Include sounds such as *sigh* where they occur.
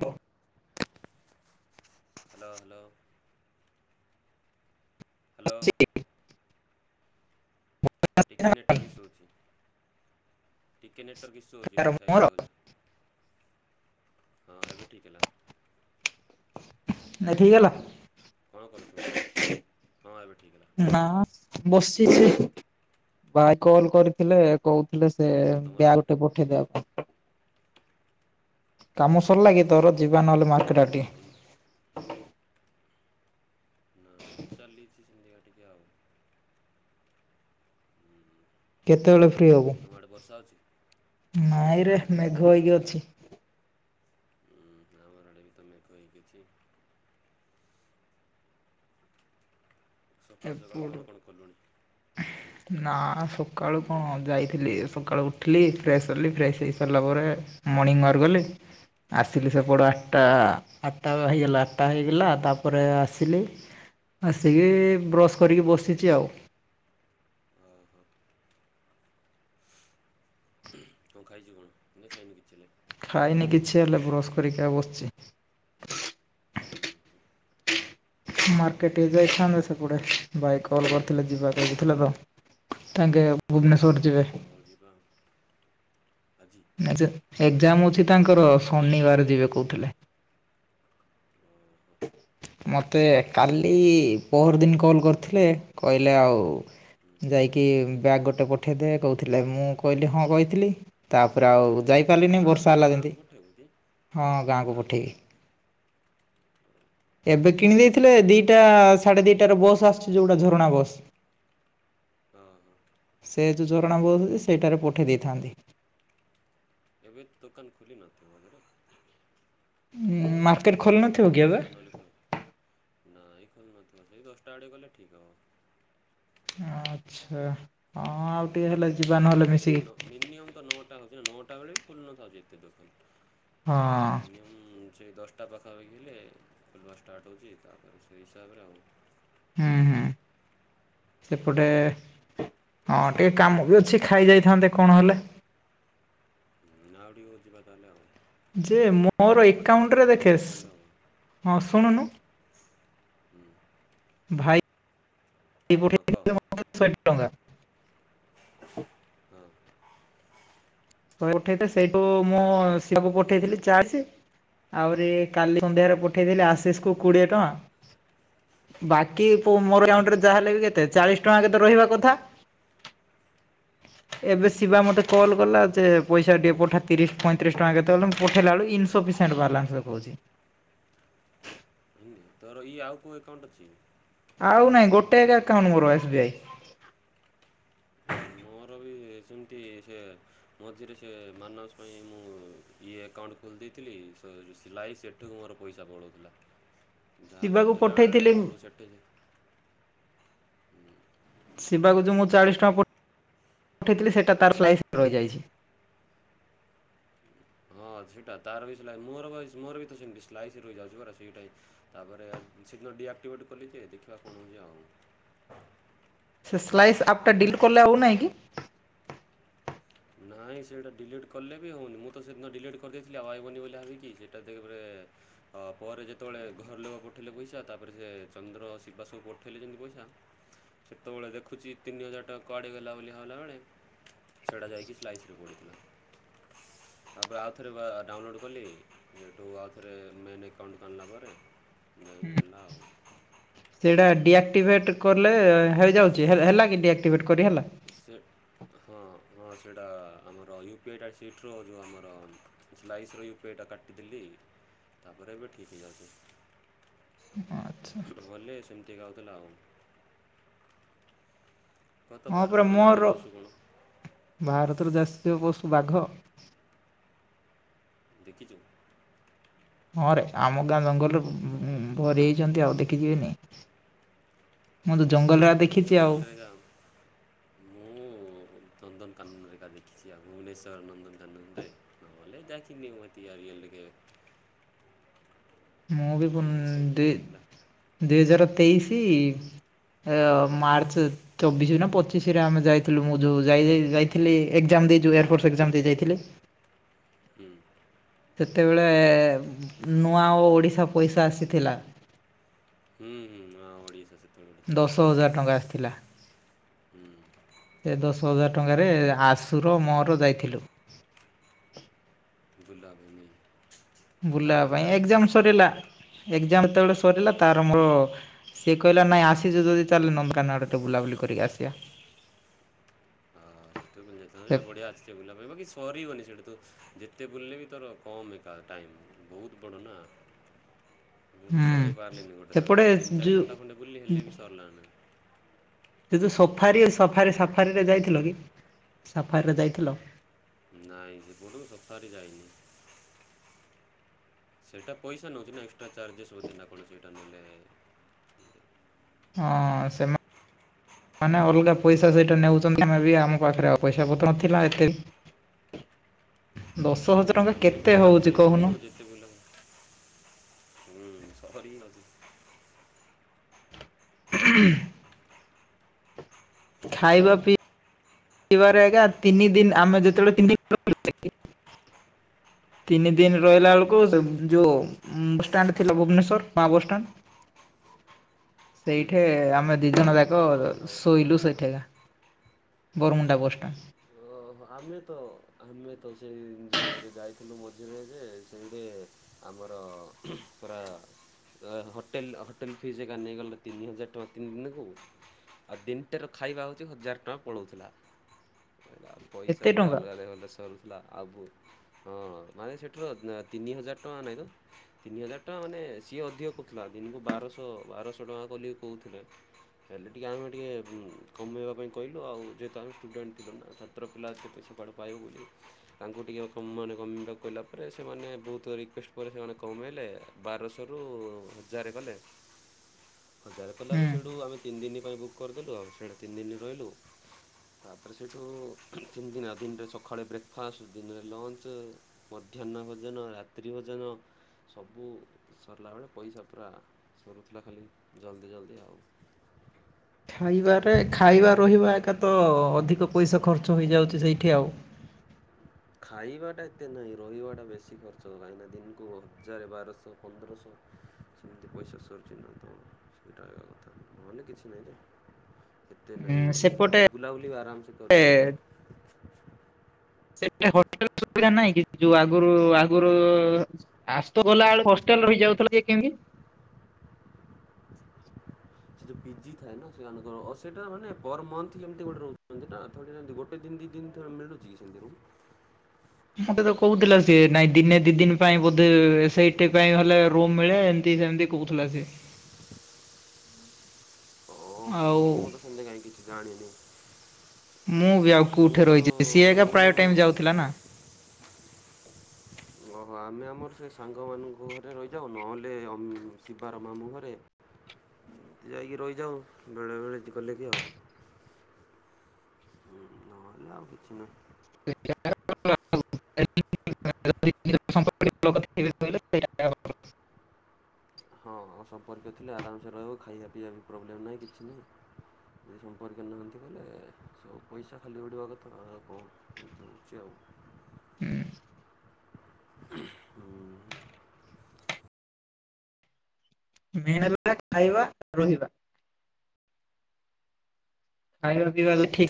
ହ hello hello. Hello. ଟିକେ ମୋର ନେଟୱାର୍କ ଇସ୍ୟୁ ହେଉଛି ଟିକେ ନେଟୱର୍କ ଇସୁ ହଉଚି ଟିକେ ସାଇଡ ଜାଗାକୁ ଯାଆ। ହଁ ଏବେ ଠିକ ହେଲା। ଏବେ ଠିକ ହେଲା? କଣ କରୁଚୁ? ହଁ ଏବେ ଠିକ୍ ହେଲା ନା ବସିଛି ଏଠି ଭାଇ କଲ କରିଥିଲେ କହୁ ଥିଲେ ସେ ତୁମର ଆଡ଼େ ବ୍ୟାଗଟେ ପଠେଇଦେବା ପାଇଁ କାମ ସରିଲାକି ତୋର ଯିବା ନହେଲେ ମାର୍କେଟ ଆଡେ ତମ ଟିକେ। ନାଇଁ ଚାଲିଛି ସେମତି ଏକା ଟିକେ ଆଉ। ହୁଁ, କେତେବେଳେ ଫ୍ରି ହବୁ? ତମ ଆଡ଼େ ବର୍ଷା ହେଉଛି ଏ ନାଇଁରେ ଆଉ ମେଘ ହେଇକି ଅଛି। ହୁଁ ଆମର ଆଡ଼େ ବି ତ ମେଘ ହେଇକି ଅଛି। ସକାଳୁ ସକାଳୁ ଏପଟୁ କଣ କଣ କଲୁଣି? ନା ସକାଳୁ କଣ ଯାଇଥିଲି ସକାଳୁ ଉଠିଲି ଫ୍ରେଶ୍ ହେଲି ଫ୍ରେଶ ହେଇସାରିଲା ପରେ ମର୍ଣ୍ଣିଂ ୱାରକ୍ ଗଲି ଆସିଲି ସେପଟୁ ଆଠଟା ହୁଁ ହୁଁ ଆଠ ଟା ହେଇଗଲା ଆଠଟା ହେଇଗଲା ତାପରେ ଆସିଲି ଆସିକି ହୁଁ ବ୍ରସ୍ କରିକି ବସିଛି ଆଉ। ଓହୋ କଣ ଖାଇଚୁ କଣ ନା ଖାଇନୁ କିଛି ହେଲେ? ଖାଇନି କିଛି ହେଲେ ବ୍ରସ୍ କରିକି ବସିଛି। ହୁଁ ହୁ। ମାର୍କେଟ ଯାଇଥାନ୍ତତା ସେପଟେ ଭାଇ କଲ କରିଥିଲେ, ଯିବାକୁ ଲାଗିଥିଲେ ତ ତାଙ୍କେ ଓ ଭୁବନେଶ୍ୱଵର ଯିବେ *inaudible* ଆଛ ଏକ୍ଜାମ ଅଛି ତାଙ୍କର ଶନିବାର ଯିବେ କୋହୁଥିଲେ ଓହୋ *inaudible* ମତେ କାଲି ପହର ଦିନ କଲ କରିଥିଲେ କହିଲେ ଆଉ ହୁଁ, ଯାଇକି ବ୍ୟାଗ ଗୋଟେ ପଠେଇଦ କହୁଥିଲେ, ମୁଁ କହିଲି ହଁ କହିଥିଲି ତାପରେ ଆଉ କ'ଣ ଯାଇପାରିଲିନି, ଗାଁକୁ ବର୍ଷା ହେଲା ଗାଁକୁ ଯେମିତି ପଠେଇବୁ କି ହଁ ଗାଁକୁ ଆଙ୍ଗୁଠି ପଠେଇବି ହଁ ଏବେ କିଣି ଦେଇଥିଲେ ଦିଟା ସାଢେ ଦିଟ ର ବସ୍ ଆସିୁଛି ଯୋଉଟା ଝରଣା ବସ ହଁ ହ। ସେ ଯୋଉ ଝୋରଣା ବୋହୁଛି ସେଇଠାରେ ପଠେଇ ଦେଇଥାନ୍ତି। ଏବେ ଦୁକାନ ଖୁଲି ନତି ବଜରେ ହୁଁ। ନଅଟା ଦଶଟା ନଳିକ ନା ଏଇ ଖେଲ ନଥିବ ସେଇ ଦଶଟା ଆଡେ ଗଲେ ଠିକ ହବ। ଆଚ୍ଛା। ହଁ ଆଉ ହୁଁ ଟିକେ ହେଲେ ଯିବା ଏବେ ନହେଲେ ମିଶିକି ମିନିମମ୍ ତ ନଅଟା ହଉଛି ନା ନଅଟା ଟା ବ ଖୁନଥାଉ ଯେ ଏତେ ଦୋକାନ। ହଁ। ମିନିମମ୍ *unintelligible* ହୁଁ ହୁଁ ସେପଟେ ଉଁ, ହଁ ଟିକେ କାମ ବି ଅଛି ଖାଇ ଯାଇଥାନ୍ତେ କଣ ହେଲେ ଆଉ ଟିକେ ହଉ ଯିବା ତାହାଲେ ଆଉ। ଯେ ମୋର ନଅଟା ଏକାଉଣ୍ଟରେ ପାଖାପାଖି ଦେଖେ ଆଉ ଗଲେ ହେବ ହଁ ଶୁଣୁନୁ ହୁଁ, ଭାଇ ହଁ କହ *unintelligible* ହଁ ଶୋଇ ଉଠେଇଥିଲେ ସେଇଠୁ ମୁଁ ପାକୁ ପଠେଇଥିଲି ଚାର୍ଜ ଆହୁରି କାଲି ସନ୍ଧ୍ୟାରେ ପଠେଇି ହୁଁ ଆଶିଷ କୁ କୋଡିଏ ଟଙ୍କା ବାକି ହୁଁ ମୋରଉଣ୍ଟରେ ଯାହାହେଲେ ବି କେତେ ଚାଳିଶ ଟଙ୍କା କେତେ ରହିବା କଥା ହୁଁ ଏବେ ଶିବା ମତେ କଲ କଲା ପଇସା ଟିକେ ପଠା ତିରିଶ ପଇଁତିରିଶ ଟଙ୍କା କେତେବେ ମୁ ପଠେଇଲା ବେ ଇନଲା କହୁଛି *inaudible* ଏମିତି। ତୋର ଇଏ ଆଉ କୋଉ ଏକଉଣ୍ଟ ଅଛି ଆଉ ନାଇଁ ଗୋଟେ ଏକାଉଣ୍ଟ ମୋର ଏସ ବି ଆଇ ମୋର ବି ସେମିତି ସେ ମଝିରେ ସେ ମାନସ ପାଇଁ ମୁଁ ଇଏ ଆକାଉଣ୍ଟ ଖୋଲି ଦେଇଥିଲି ସିଲାଇ ସେଠିକୁ ମୋର ପଇସା ପଳାଉଥିଲା ଯାହା ଶିବାକୁ ପଠେଇଲା ବେଳେ ପଠେଇଥିଲି ସବୁ ସେଠ ଶିବାକୁ ଯ ମୁଁ ଚାଳିଶ ଟଙ୍କା ପଠେଇଥିଲି, ସେଟା ତାଇ ରହିଯାଇଛି ହଁ *inaudible* ସେଇଟା ତାର ବି ମୋର ମୋର ବି ତ ସେମାଇ ର ଯାଉଛି ପ ସେଇଟାଁ ତାପରେ *unintelligible* ସେ ସ୍ଲାଇସ୍ ଆପ୍ଟା ଡିଲ୍ କଲେ ଆଉନାହିଁ କି? ନାଇଁ ସେଇଟା ଡିଲେଟ୍ କଲେ ବି ହଉନି, ମୁଁ ତ ସେଦିନ ଡିଲେଟ୍ କରିଦେଇଥିଲି ଆଉ ଭାଇବନି ବୋଲି ଭାବିକି ସେଇଟା ଦେଖ ପରେ ଯେତେବେଳେ ଘର ଲୋକ ପଠେଇଲେ ପଇସା ତାପରେ ସେ ଚନ୍ଦ୍ର ଶିବାସୁ ପଠେଇଲେମ ପଇସା ସେତେବେଳେ ଦେଖୁଛି ତିନି ହଜାର ଟଙ୍କା କୁଆଡେ ଗଲା ବୋଲି ଭାବଲା ବେଳେ ସେଇଟା ଯାଇକି ସ୍ଲାଇସରେ ପଡ଼ିଥିଲା। ତାପରେ ଆଉଥରେ ଡାଉନଲୋଡ୍ କଲି ହେଠୁ ଆଉଥରେ ମେନ୍ ଏକାଉଣ୍ଟ ଆଣିଲା ପରେ ମେ ବି ହେଲା ଆଉ। ସେଇଟା ଡିଆକ୍ଟିଭେଟ୍ ହୁଁ। କଲେ ହେଇଯାଉଚି ହେ-ହେଲା କି ଡିଆକ୍ଟିଭେଟ କରି ହେଲା? ସେ ହଁ ହଁ ସେଇଟା ଆମର ୟୁ ପି ଆଇ ଟା ସିଟର ଯେଉଁ ଆମର ସ୍ଲାଇସର ୟୁ ପି ଆଇ ଟା କାଟିଦେଲି ତାପରେ ଏବେ ଠିକ୍ ଆଚ୍ଛା ହେଇଯାଉଛି। ନହେଲେ ସେମତି ଗାଉଥିଲା ଆଉ। କହ ତ ହଁ ପରା ଭାରତର ଜାତୀୟ ମୋର ପଶୁ କ'ଣ ଭାରତର ଜାସତିୟ ପଶୁ ବାଘ ଦେଖିଚୁ? ହଁରେ ଆମ ଗାଁ ଜଙ୍ଗଲରେ ଉଁ-ଉଁ-ଭରି ହେଇଚନ୍ତି ଆଉ ଦେଖି ଯିବିନି। ମୁଁ ତ ଜଙ୍ଗଲରେ ଆ ମୁଁ ଦେଖିଚି ଆଉ। ରିଏଲ୍ରେ ଏକା ମୁଁ ନନ୍ଦନକାନନରେ ଏକା ଦେଖିଚି ଆଉ ଭୁବନେଶ୍ୱର ନନ୍ଦନକାନନରେ ଆଉ ନହଲେ ଦେଖିନି ମୁଁ ଏତି ଆଉ ରିୟଲରେ କେବେ। ମୁଁ ବି ସେଇଠି ସବୁ ଥିଲା ବନ୍-ଦୁଇ ଦୁଇ ହଜାର ତେଇଶି ଅ-ମାର୍ଚ୍ଚ ଚବିଶି ନା ପଚିଶିରେ ଆମେ ଯାଇଥିଲୁ ମୁଁ ଯୋଉ ଯାଇ-ଯାଇ-ଯାଇଥିଲି ଏଗଜାମ୍ ଏମତି ଏଇ ଯୋଉ ଏୟାରଫୋର୍ସ୍ ଏଗଜାମ୍ ଦେଇ ଯାଇଥିଲି। ହୁଁ ସେତେବେଳେ ନୂଆ ଓ-ଓଡ଼ିଶା ପଇସା ଆସିଥିଲା। ହୁଁ ହୁଁ ନୂଆ ଓଡ଼ିଶା ସେ ସେତେବେଳେ ଗୋଟେ ଦଶ ଥିଲା ହଜାର ଟଙ୍କା ଆସିଥିଲା ହୁଁ ସେ ଦଶ ହଜାର ଟଙ୍କାରେ ଆଶୁର ମୋର ଯାଇଥିଲୁ। ବୁଲା ବୁଲି ତାର ବୁଲିବା ବି ପାଇଁ ତ ଆଇଥିଲା ଏଗଜାମ୍ ବୋଧେ ସରିଲା ଏଗଜାମ୍ ସେତେବେଳେ ସରିଲା ତାର ହୁଁ ମୋର ହଁ ସ୍ ସିଏ କହିଲା ନାଇଁ ଆସିଚୁ ଯଦି ଚାଲେ ନନ୍ଦନକାନନ ଆଡେ ଟିକେ ବୁଲାବୁଲି କରିକି ଆସିବା। *inaudible* ସେଇଠି ତ ବୁଲି ଯାଇଥାନ୍ତ ସେ ସେଇଟା ବଢିଆ ଆଛି ଯେ ବୁଲା ପାଇଁ ବାକି ସରିବନି ସେଟ ତ ଯେତେ ବୁଲଲେ ବି ତୋର କମ୍ ଏକା ଟାଇମ୍ ବୋହୁତ ବଡ଼ ନା। ମୁଁ ତ ହୁଁ ସରେଇ ପାରଲିନି ଗୋଟେ ସେପଟେ ଥରକେ ତିନ ଚାରି ଯୋଉ ଘଣ୍ଟା ଖଣ୍ଡେ ବୁଲଲି ହେଲେ ବି ସରଲା ନାହିଁ। ସେ ଯୋଉ ସଫାରି, ସଫାରି ସଫାରିରେ ଯାଇଥିଲ ହୁଁ କି ସଫାରିରେ ଯାଇଥିଲ? ନାଇଁ ସେପଟକୁ ସଫାରି ଯାଇନି। ସେଇଟା ପଇସା ନୋଉଚି ନା ଏକ୍ସ୍ ଟ୍ରା ଚାର୍ଜେସ୍ ବୋଧେ ନା କଣ ସଇଟା ନେଲେ ହଁ ସେମା-ମାନେ ଅଲଗା ହଁ ପଇସା ସେଇଟା ନେଉଚନ୍ତି ଆମେ ବି ଆମ ପାଖରେ ଆଉ ପଇସା ପତର ନଥିଲା ଏତେ। ଦଶ ହଜାର ହୁଁ, ଟଙ୍କା ଆମେ କେତେ ସେଠୁ ଚାଲି ହୋଉଚି ଚାଲି କହୁନୁ? ବୁଲିଲୁ ଯେତେ ବୁଲା ହୁଁ ସରିଯାଉଚି। *inaudible* ଖାଇବା ପିଇ ଇବାରେ ଏକା ତିନି ଦିନ ଆମେ ଯେତେବେଳେ ତିନ ଦିନ ଗଲୁ ସେଇଠି ତିନି ଦିନ ହୁଁ ରହିଲା ହୁଁ ବେଳକୁ ସେ ଯୋଉ ଉଁ-ବସଷ୍ଟାଣ୍ଡ ଥିଲା ଭୁବନେଶ୍ଵର ବା ବସଷ୍ଟାଣ୍ଡ। *inaudible* ହୁଁ, ସେଇଠି ହଁ ଆମେ ଦିଜଣ ଯାକ ବରମୁଣ୍ଡା ବସ୍ ଶୋଇଲୁ ଷ୍ଟାଣ୍ଡ ସେଇଠେକା। ବରମୁଣ୍ଡା ବସଷ୍ଚାଣ୍ଡ୍। ଓହୋ ଆମେ ତ ଆମେ ତ ସେଇ ଯୋଉ ଏବେ ଯାଇଥିଲୁ ମଝିରେ ଯେ ସେଇଠି ଆମର ତ ପୁରା ଆ-ହୋଟେଲ୍ ହୋଟେଲ୍ ଫିସ୍ ଏକା ନେଇଗଲେ ତିନି ହଜାର ଟଙ୍କା ତିନି ଦିନକୁ ଆଉ ଦିନଟାର ଖାଇବା ହୋଉଚି ହଜାର ଟଙ୍କା ପଳୋଉଥୁଲା। *inaudible* ପଇସା ପୁରା ଟଙ୍କା ଅଲଗା ଅଲଗା ଦେଶର ହେଲା ଆବୁ ହଁ। ମାନେ ସେଠର ତିନି ହଜାର ଟଙ୍କା ନାହିଁ ତ ତିନି ହଜାର ଟଙ୍କା ମାନେ ସିଏ ଅଧିକ କହୁଥିଲା, ଦିନକୁ ବାରଶହ ବାରଶହ ଟଙ୍କା ଖୋଲି କହୁଥିଲେ ହେଲେ ଟିକେ ଆମେ ଟିକେ କମେଇବା ପାଇଁ କହିଲୁ ଆଉ ଯେହେତୁ ଆମେ ଷ୍ଟୁଡେଣ୍ଟ ଥିଲୁ ନା ଛତ୍ର ପିଲା ସେତେ ସେପାଠୁ ପାଇବୁ ବୋଲି ତାଙ୍କୁ ଟିକିଏ କମ୍ ମାନେ କମେଇବାକୁ କହିଲା ପରେ ସେମାନେ ବହୁତ ରି କୁଏଷ୍ଟ ପରେ ସେମାନେ କମେଇଲେ, ବାରଶହରୁ ହଜାର କଲେ *inaudible* ହଜାର କଲାରୁ ହୁଁ। ସେଇଠୁ ଆମେ ତିନି ଦିନ ପାଇଁ ବୁକ୍ କରିଦେଲୁ ଆଉ ସିଆଡ଼େ ତିନି ଦିନ ରହିଲୁ, ତାପରେ ସେଇଠୁ ସେମିତି ନା ଦିନରେ ସକାଳେ ବ୍ରେକ୍ଫାଷ୍ଟ, ଦିନରେ ଲଞ୍ଚ, ମଧ୍ୟାହ୍ନ ଭୋଜନ, ରାତ୍ରି ଭୋଜନ ଭୋଜନ ସବୁ ସରିଲା ବେଳେ ପଇସା ପୁରା ସରୁଥିଲା ଖାଲି ଜଲ୍ଦି ଜଲ୍ଦି ଆଉ। *unintelligible* ଖାଇବାରେ ଖାଇବା ରହିବା ଏକା ତ ଅଧିକ ପଇସା ଖର୍ଚ୍ଚ ହେଇଯାଉଛି ସେଇଠି ଆଉ। *unintelligible* ଖାଇବାଟା ଏତେ ନାହିଁ ରହିବାଟା ବେଶୀ ଖର୍ଚ୍ଚ କାହିଁକିନା ଦିନକୁ ହଜାରେ ବାରଶହ ପନ୍ଦରଶହ ସେମିତି ପଇସା ସରୁଚି ନା ତ ସେଇଟା ହେବା କଥା ନହେଲେ କିଛି ନାହିଁ ଯେ ଏତେ ନାଇଁ ଉଁ ସେପଟେ ଯଦି ବୁଲାବୁଲି ବି ଆରାମସେ କରିହେବ। ହେଲେ ହୋଟେଲ ସୁବିଧା ନାହିଁ କି, ଯୋଉ ଆଗୁରୁ ଆଗୁରୁ ଆଜତ ଗଲାବେଳୁ ହଷ୍ଟେଲ ରହିଯାଉ *unintelligible* ସେ ଯୋଉ ପିଜି ଥାଏ ନା ସେମାନଙ୍କର ସେଟା ମାନେ ପର୍ ମନ୍ଥ ଗୋଟେ ରହୁଚନ୍ତି ନା ତାହେଲେ ଯଦି ଗୋଟେ ଦିନ ଦି ଦିନ ତଳେ ମିଳୁଚି କି ସେଥିରୁ? ହ *inaudible* ମତେ ତ କହୁଥିଲା ସିଏ ନାଇଁ ଦିନେ ଦି ଦିନ ପାଇଁ ବୋଧେ ସେଇଠି ପାଇଁ ହେଲେ ରୁମ ମିଳେ ଏମତି ସେମତି କହୁଥିଲା ସେ ଓହୋ ଆଉ ମୁଁ ତ ସେମିତି କାହିଁ ଜାଣିନି ମୁଁ ବି ଆଉ ମୁଁ କୋଉଠି ତ ରହିଯିବି, ସିଏ ଏକା ରୁମ୍ ପ୍ରାୟ ଟାଇମ ଯାଉଥିଲା ନା। ହ *inaudible* ହଁ ଆମେ ଆମର ସେ ସାଙ୍ଗମାନଙ୍କ ଘରେ ରହିଯାଉ, ନହେଲେ ଅମ ଶିବାର ମାମୁଁ ଘରେ ଯାଇକି ରହିଯାଉ, ବେଳେବେଳେ ଗଲେ ବି ଯାଉ ହୁଁ ନହେଲେ ଆଉ କିଛି ନୁହଁ। *unintelligible* *unintelligible* ହଁ ସମ୍ପର୍କୀୟ ଥିଲେ ଆରାମସେ ରହିବ, ଖାଇବା ପିଇବା ବି ପ୍ରୋବ୍ଲେମ୍ ନାହିଁ କିଛି ନାହିଁ ଆଉ। ଯଦି ସମ୍ପର୍କୀୟ ନାହାଁନ୍ତି କହିଲେ ସବୁ ପଇସା ଖାଲି ଉଡ଼ିବା କଥା ଆଉ କଣ ଦେଉଛି ଆଉ। ହୁଁ। ହୁଁ। ମେନ୍ ହେଲା ଖାଇବା, ରହିବା। ଖାଇବା ପିଇବା ଯଦି ଠିକ